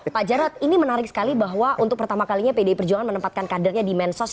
pak jarod ini menarik sekali bahwa untuk pertama kalinya pdi perjuangan menempatkan kadernya di mensos